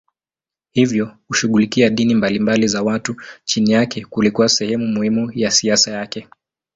Hivyo kushughulikia dini mbalimbali za watu chini yake kulikuwa sehemu muhimu ya siasa yake.